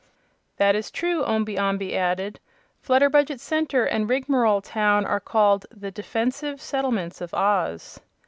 "That is true," Omby Amby added; "Flutterbudget Center and Rigmarole Town are called 'the Defensive Settlements of Oz.'"